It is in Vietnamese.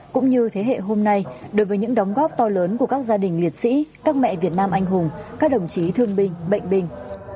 cũng như thế hệ hôm nay đối với những đóng góp to lớn của các gia đình liệt sĩ các mẹ việt nam anh hùng các đồng chí thương binh bệnh binh